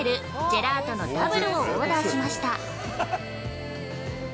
ジェラートのダブルをオーダーしました。